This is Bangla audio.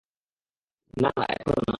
না, না, এখন না!